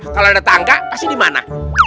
kalo ada tangga pasti dimana